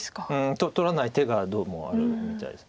取らない手がどうもあるみたいです。